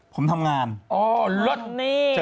ผมทำงานเจ็บนี้ครับโอ้ลด